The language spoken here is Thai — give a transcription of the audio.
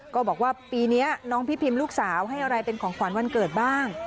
ก็บอกว่าปีนี้น้องพี่พิมลูกสาวให้อะไรเป็นของขวัญวันเกิดบ้าง